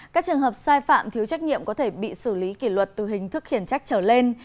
các trường hợp sai phạm thiếu trách nhiệm có thể bị xử lý kỷ luật từ hình thức khiển trách trở lên